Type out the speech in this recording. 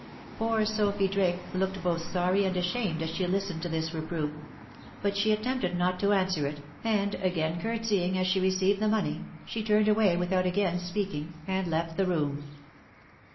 Poor Sophy Drake looked both sorry and ashamed as she listened to this reproof, — but she attempted not to answer it, and again courtesy ing as she received the money, she turned away without again speak ing, and left the room.